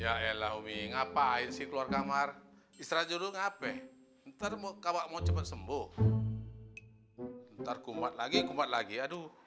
ya iya lah umi ngapain sih keluar kamar istra jodoh ngapain ntar kawak mau cepet sembuh ntar kumpat lagi kumpat lagi aduh